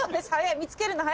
見つけるの早い。